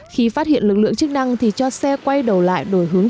khi phát hiện lực lượng chức năng thì cho xe quay đầu lại đổi hướng